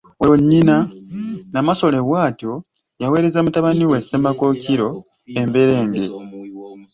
Olwo nnyina, Namasole bw’atyo yaweereza mutabani we Ssemakookiro emberenge.